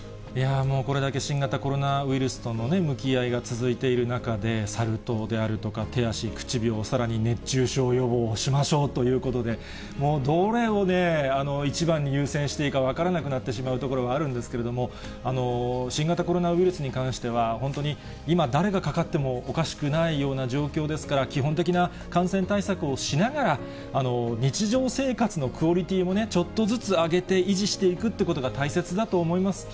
これだけ新型コロナウイルスとの向き合いが続いている中で、サル痘であるとか、手足口病、さらに熱中症予防もしましょうということで、もうどれをね、一番に優先していいのか分からなくなってしまうところがあるんですけれども、新型コロナウイルスに関しては、本当に今、誰がかかってもおかしくないような状況ですから、基本的な感染対策をしながら、日常生活のクオリティーもね、ちょっとずつ上げて維持していくっていうことが大切だと思います。